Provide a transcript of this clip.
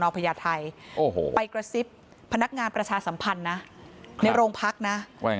ไปกระซิบพนักงานประชาสัมพันธ์นะในโรงพักนะ